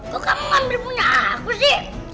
kok kamu ngambil punya aku sih